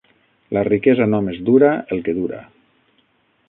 La riquesa només dura el que dura.